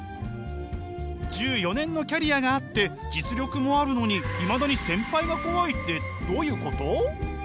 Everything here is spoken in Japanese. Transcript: １４年のキャリアがあって実力もあるのにいまだに先輩が怖いってどういうこと？